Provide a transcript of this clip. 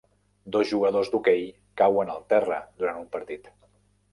Dos jugadors d'hoquei cauen al terra durant un partit.